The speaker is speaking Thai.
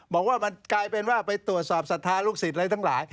บอกว่ามันกลายเป็นว่าไปตรวจสอบศรัทธาลูกศิษย์อะไรทั้งหลาย